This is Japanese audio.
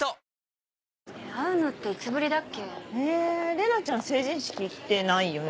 玲奈ちゃん成人式来てないよね？